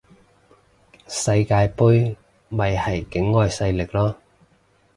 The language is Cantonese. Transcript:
世界盃咪係境外勢力囉